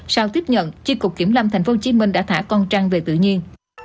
sau tiếp nhận chiên cục kiểm lâm tp hcm đã thả con trăn về tự nhiên